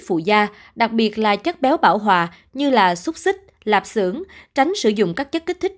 phụ da đặc biệt là chất béo bảo hòa như là xúc xích lạp sưởng tránh sử dụng các chất kích thích